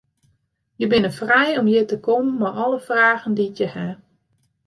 Je binne frij om hjir te kommen mei alle fragen dy't je ha.